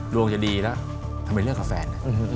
ดวงจะดีแล้วทำเป็นเลิกกับแฟน